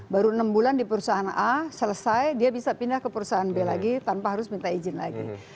baru enam bulan di perusahaan a selesai dia bisa pindah ke perusahaan b lagi tanpa harus minta izin lagi